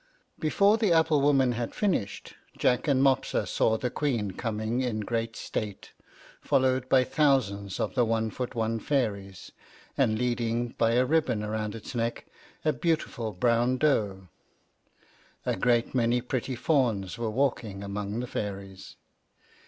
Before the apple woman had finished, Jack and Mopsa saw the Queen coming in great state, followed by thousands of the one foot one fairies, and leading by a ribbon round its neck a beautiful brown doe. A great many pretty fawns were walking among the fairies.